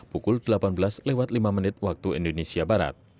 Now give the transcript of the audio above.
pukul delapan belas lima wib